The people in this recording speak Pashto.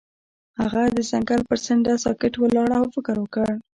هغه د ځنګل پر څنډه ساکت ولاړ او فکر وکړ.